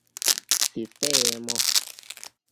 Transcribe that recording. sistemo